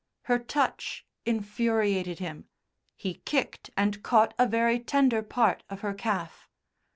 Her touch infuriated him; he kicked and caught a very tender part of her calf.